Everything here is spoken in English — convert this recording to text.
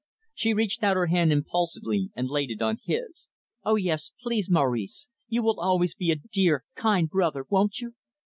She reached out her hand impulsively and laid it on his. "Oh, yes, please, Maurice. You will always be a dear, kind brother, won't you?"